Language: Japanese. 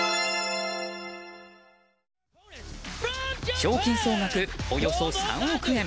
賞金総額およそ３億円。